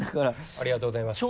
ありがとうございます。